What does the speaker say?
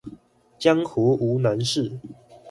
江湖無難事